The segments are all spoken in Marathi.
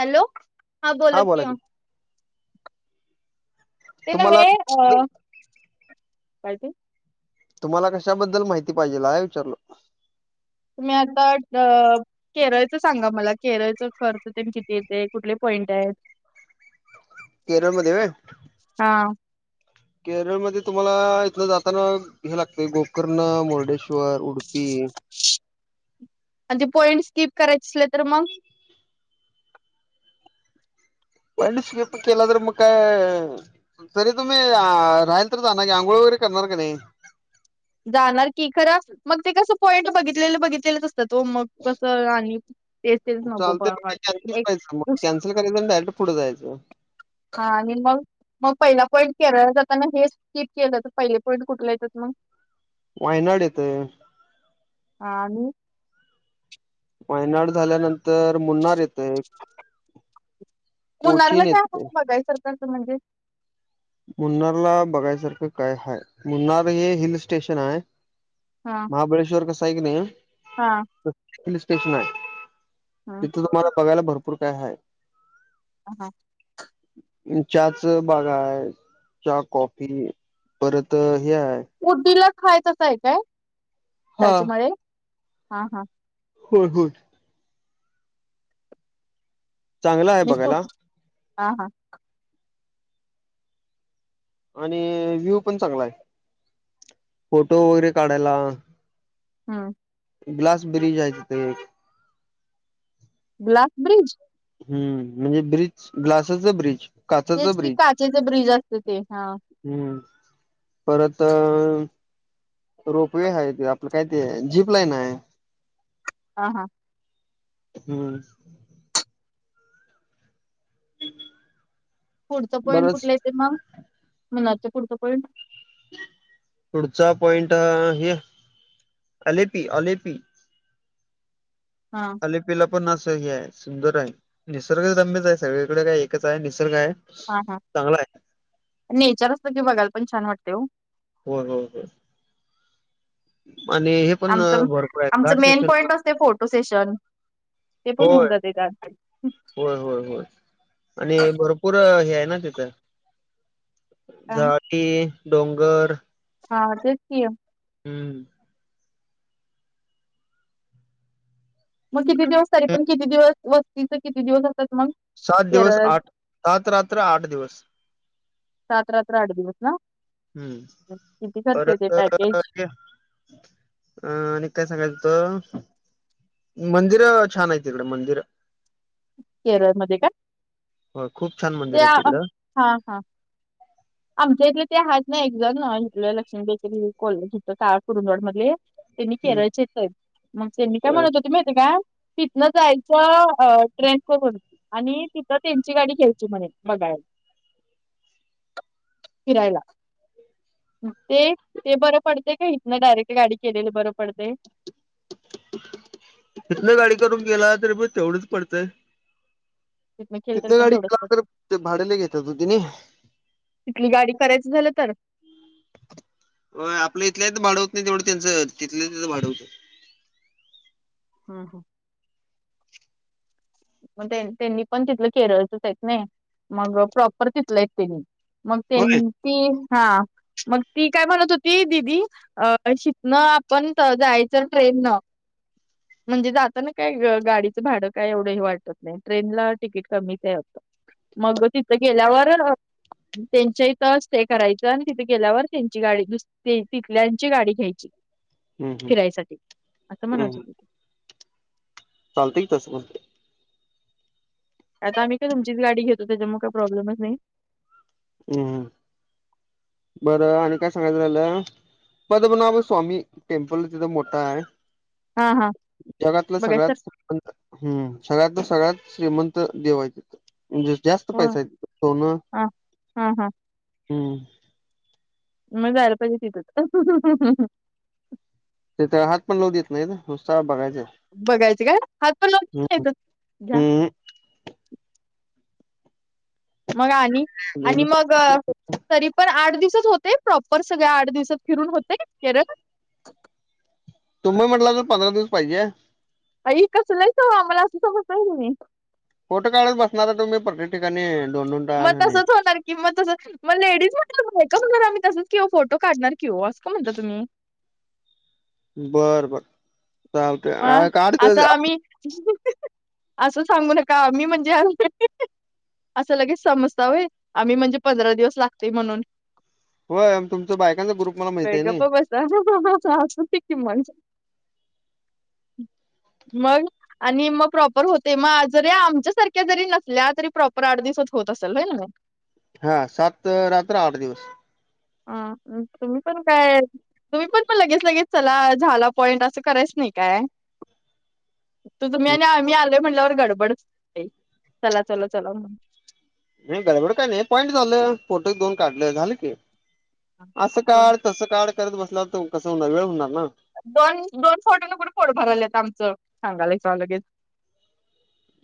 हॅलो हां हा बोलां बोला कि की ओ. ते नवे तुम्हाला अं कायं ते. तुम्हांला कशांबद्दल माहिती पाहिजेल आहे आमच्या कडूंन तुम्हीं आंता अं. केरळचं सांगा मलां केरळचां खर्च ते किती येते कुंठले पॉईंट आहेतं. [unintelligible] केरळंमध्यें आहे हावं केरळंमध्यें तुम्हांला इथलं जातांना. हे लागतंय गोकर्ण मुर्डेश्वर उडुपी. म्हणजे पॉईंट स्कीप करांयची असलं तरं मंग? हम्मं पोहन स्किप केलं तरं मंग कायं. तरी तुम्हीं राहील तरं जां नां की आंघोळ वगैरें करणारं कां नाहीं? जाणारं की खरं मंग ते कसं पोइंट बघितलेले बघितलेलेचं असतांत मंग कसं आणि. तेचं तेचं नको पणं वाटते एक. एक बघितलं की पुढे जायचं. हां आणि मंग. मंग पहिला पॉईंट केरळंला जातांना हे स्किप केलं जातं पहिले पॉईंट कुंठला येतांत मंग? वायनांड येतंय. हां पैनाड झाल्यानंतर मुनांर येतं एक. मुनांरला कायं येतंय असतं बघायचं सारखं म्हणजे? मुनांरला बघायसांरखं कायं हायं मुनांर हे हिल स्टेशन आहे. हा महाबळेश्वर कसां आहे नाहीं हा हिल स्टेशन आहे. हा तिथे तुम्हांला बघायलां भरंपूर कायं आहे. हम्मं चहाची बघां आहे. चहा कॉफी परंत हे आहे. उड्डीला खायचं असं आहे कायं हा त्यांच्यामुळे हां हां. हो हो चांगला आहे निस्पोर्ट बघायला हां हां. आणि व्ह्यूं पणं चांगला आहे फोटो वगैरें काढांयला. हां ग्लांस ब्रिज आहे तिथं एक. Glass bridge? हम्म म्हणजे ब्रिज ग्लासाचा ब्रिज. काचाच तेच कि ब्रिज काचेचे ब्रिज असते ते हा हम्म परत. रोपवे आहे ते आपलं काय ते जीप लाईन आहे. हा हा हम्म पुढचं पॉईंट बरंच कुठलं य ते मग मुनारचा पुढचं पॉईंट? पुढचा पॉइंट हे अलेपी अलेपी. हा लिपिला पण अस ह आहे सुंदर आहे निसर्ग तच आहे सगळीकडे काय एकच आहे निसर्ग आहे हा हा चांगला आहे. नेचर असत की बघायला पण छान वाटते हो हो हो हो आणि हे पण अ, आमचं भरपूर आहे घाट आमचं मेन सेक्शन पण पॉइंट असते फोटो सेशन ते पण होऊन होय जाते होय होय होय आणि भरपूर हे आहे ना तिथं. हा झाटी डोंगर हा तेच य हम्म. मग किती दिवस तरी हे पण किती दिवस वस्तीचे किती दिवस असतात मग? सात दिवस केरळ आठ सात रात्र आठ दिवस सात रात्र आठ दिवस ना? हम्म किती खर्च येते परत पॅकेज अ आणि काय सांगायचं मंदिर छान आहेत तिकडे मंदिर. केरळमध्ये का? हो खूप छान ते मंदिर आहे तिकडं हा हा. आमच्या इथलं ते हच नाही एक जणथ लक्ष्मीबाकरी का कुरुंदवड मधले त्यांनी हं. केरळचे येत मग त्यांनी काय अ, म्हणत होते माहीती का न जायचं अ ट्रेक करून आणि तिथं त्यांची गाडी घ्याची म्हणे बघायला फिरायला ते बरं पडते का इथन डायरेक्ट गाडी केलेली बरं पडते? इथन गाडी करून गेला तरी प तेवढच पडतय तिथनं केलं तरी तिथल्या पण गाडी तेवढंच का पडते तर भाडेयाला घेतात होतीने तिथली गाडी करायचं झालं तर? आपलं इथलं भाडवत नाही तेवढं त्यांचं तिथलं भाडवत हम्म मग त्यांनी पण तिथलं केरळचच आहेत नाही मग प्रॉपर तिथलं आहेत त्यांनी मग होय. त्यां ती हा मग ती काय म्हणत होती दिदी अ शिकणं आपण जायचं ट्रेन नं म्हणजे जाता काय गाडीचं भाडं काय एवढं वाटत नाही ट्रेनला तिकीट कमीचत मग तिथ गेल्यावर. त्यांच्या इथं स्टे करायचं आणि तिथे गेल्यावर त्यांची गाडी नसते ते तिथल्याची गाडी घ्यायची हम्म हम्म फिरायसाठी असं म्हणत होते चालतय इथच आता आम्ही काय तुमचीच गाडी घेतो त्याच्यामुळे काही प्प्रॉब्लेमच नाही. हम् बरं आणि काय सांगायचं झाला पद्मनाभ स्वामी टेम्पल तिथ मोठा आहे. हा हा जगातलं बघाय सर सगळ्यात हम्म सगळ्यात सगळ्यात श्रीमंत देव आहेत. म्हणजे जास्त हो पैसा सोन हा हा हा हम्म मग जायला पाहिजे तिथंच. तिथं हात पण लावू देत नाही ना च बघायचं बघायचे काय हात पण लावतच ह् नाहीतच. घ्या. हम् मग आणि आणि मग तरी पण आठ दिवसात होते प्रॉपर सगळ्या आठ दिवसात फिरून होते केरळ? तुम्ही म्हटलं तर पंधरा दिवस पाहिजे. आई कसं नाहीयचं आम्हाला असं समजतय तुम्ही. फोटो काढत बसणार तुमी पप्रत्येक ठिकाणी दोन दोन मग तास आणि तसच होणार की मग तसं मग लेडीज म्हटक होणार आम्ही तसंच किंवा फोटो काढणार. केव्हासं का म्हणता तुम्ही? बर बर मग असा आम्ही असं सांगू नका मी म्हणजे असं लगेच समजतावय आम्ही म्हणजे पंधरा दिवस लागतेय म्हणून होय तुमचा बायकांचा ग्रुप मला माहित बाई आहे ना. [unintelligible] मग आणि मग प्रॉपर होते मग जरी आमच्या सारख्या जरी नसल्या तरी प्रॉपर आठ दिवसात होत असेल हो ना मग? हा सात रात्र आठ दिवस. ह तुम्ही पण काय तुम्ही पण पण लगेच लगेच चला झाला पॉईंट असं करायच नाही काय? तू तुम्ही आणि मी आलय म्हटल्यावर गडबडच चला चल चला म्हण नाही गडबड काय नाही पॉईंट झालं फोटो दोन काढलं झालं की. असं दोन काढ तसं काढ करत बसलावर तर कसं होणार वेळ होणार ना. दोन दोन फोटो लक पोट भरलेत आमचं सांगालाय सा लगेच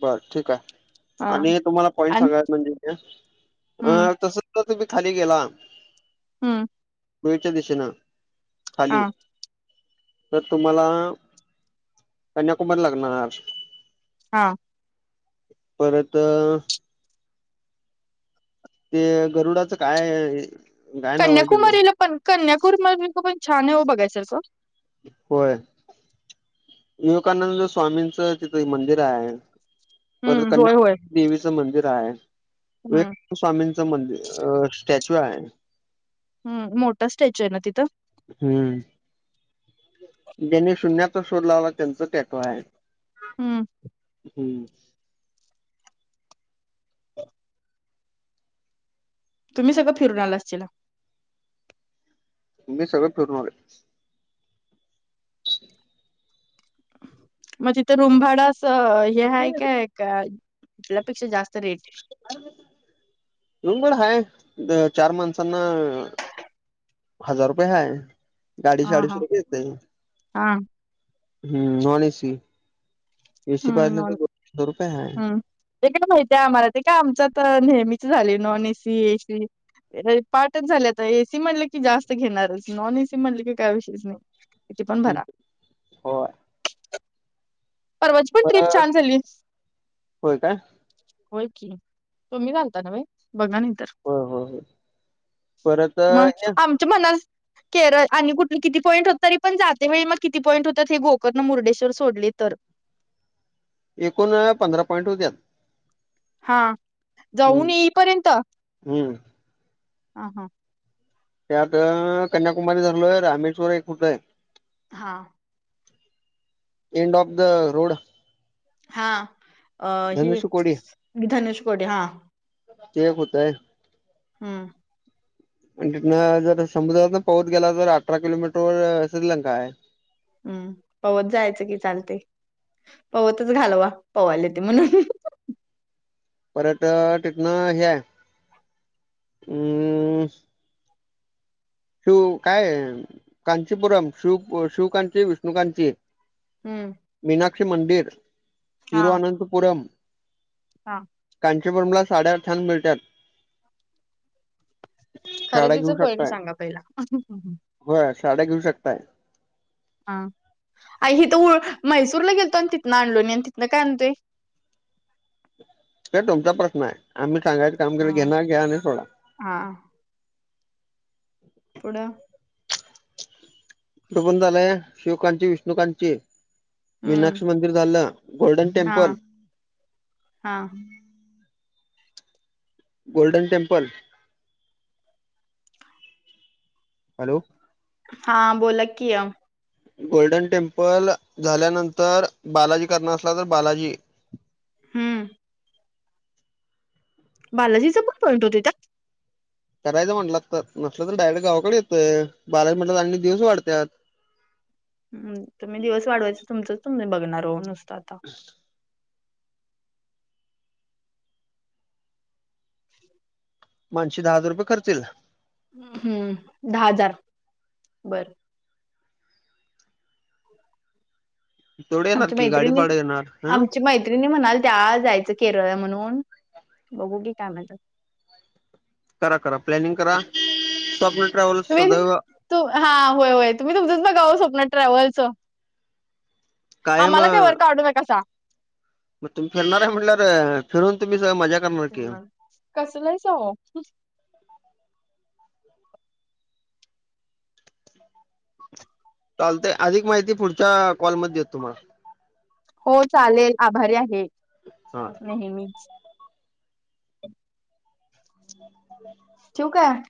बर ठीक आहे हा आणि तुम्हाला पॉइंट आणि सांगाला म्हणजे हम्म अ तस जर तुम्ही खाली गेला हम वळच्या दिशेन खाली हा तर तुम्हाला कन्याकुमारी लागणार. हा परत ते गरुडाचं काय काय नाव आहे त्याचं कन्याकुमारीला पण कन्याकुमारीक पण छान आहे बघाय सारखं? होय विवेकानंद स्वामींचं तिथे मंदिर आहे. पर हम्म कन्या होय होय देवीच मंदिर आहे हम्म स्वामींचं मंदिर अ स्टॅच्यू आहे. हम्म. मोठा स्टॅच्यू आहे ना तिथं? हम्म. ज्यांनी शून्याचा शोध लावला, त्यांचा ट्याटू आहे. ह्म. ह्म. तुम्ही सगळं फिरून आला असतीला. मी सगळे फिरून आलोय. मग तिथं रुमभाड असं हे आहे, काय का इथंल्यापेक्षा जास्त रेट रूम भाडं हाय द चार माणसांना हजार रुपये हाय, गाडीचे आडीशे रुपये येतील. आं. हम्म, नॉन ऐ सी. हं नॉन रुपये हाय. हं. ते [unintelligible] माहितीय आम्हाला ते का आमचं तर नेहमीच झाले नॉन ऐ सी, ऐ सी. पाठच झाले आता, ए सी म्हणलं की जास्त घेणारच, नॉन ए सी म्हणलं की काय वविशेष नाय. [inaudible] हो. परवाची पण ट्रिप परत छान झाली. होय काय होय की, तुम्हीच आलता नव्हयं, बघा नाहीतर होय होय होय परत [inaudible] मग. आमचे मनाल केरळ आणि कुठली किती पॉईंट होत तरी पण जाते बई, मग किती पॉईंट होतात हे गोकर्ण, मुर्डेश्वर सोडले तर. एकूण पंधरा पॉईंट होत्यात. हा, हम्म जाऊन येईपर्यंत? हम्म. हं हा. त्यात कन्याकुमारी धरलोय रामेश्वर एक [unintelligible] हां. End of the road. हा. अं हे धनुष्यकोडी धनेश कोडे हा. ते एक होतय. हम्म. आणि तिथनं जर समुद्रातन पव्हत गेला, तर अठरा किलोमीटर वर श्रीलंका आहे. हम्म, पव्हतं जायचं की चालते, पव्हतंच घालवा, पव्हाला येते म्हणून. परत तिथनं हे आहे. हम्म. शिव काय कांचीपुरम, शिव- शिवकांची, विष्णुकांची हम्म. मीनाक्षी मंदिर, हा तिरुअनंतपुरम हा. कांचीगंगा साडे अठ्ठ्याण्णव मीटर साड्या खरेदीच पॉईंट सांगा पहिला. व्हय साड्या घेऊ शकताय. हा. आई हि तर व मैसूरला गेलतो अन तिथनं आणलो अन तिथनं काय आणतेय. त्या तुमचा प्रश्न आहे, आम्ही सांगायचं काम केलं, घेणार घ्या आणि सोडा. आ पुढं. पुढं पण झालंय, शिवकांची, विष्णुकांची. हम्म मीनाक्षी मंदिर झालं, गोल्डन हा टेम्पल हा गोल्डन टेंम्पल हॅलो हा बोला कि गोल्डन टेम्पल झाल्यानंतर बालाजी करणार असला तर बालाजी हम बालाजीचं पण पॉईंट होत त्यात. करायचं म्हटलं तर नसलं तर डायरेक्ट गावाकडे येतंय बालाजी म्हटलं तर आणि एक दिवस वाढत्यात. हम तुम्ही दिवस वाढवायच तुमचं तुम्ही बघणार हो नुसतं आता माणसी दहा हजार रुपये खर्च येईल हम्म दहा हजार बरं तेवढ येणार आमची की गाडी मैत्रिणी भाड येणार हम्म आमची मैत्रिणी म्हणालत्या जायचं केरळ म्हणून बघू की काय म्हणत्यात करा करा प्लॅनिंग करा स्वप्न ट्रॅव्हल तुम्ही सदैव तू हा होय होय तुम्ही तुमंच बघाव स्वप्न ट्रॅव्हलचं कायम आमाला काय वर काढू नकासा मग तुम्ही फिरणार आहे म्हटल्या फिरून तुम्ही सगळे मजा करणार की कसलं हाईसा वो [inaudible] [inaudible] चालतय अधिक माहिती पुढच्या कॉलमध्ये. देतो तुम्हाला हो चालेल आभारी आहे हा नेहमी [inaudible] ठेऊ काय